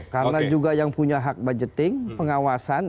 karena juga yang punya hak budgeting pengawasan